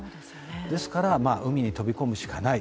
ですから海に飛び込むしかない。